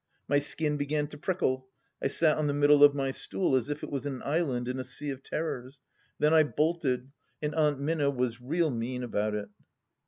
My skin began to prickle. I sat on the middle of my stool as if it was an island in a sea of terrors. Then I bolted. And Aunt Minna was " real " mean about it.